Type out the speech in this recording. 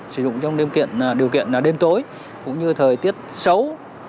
sử dụng trong điều kiện đêm tối cũng như thời tiết xấu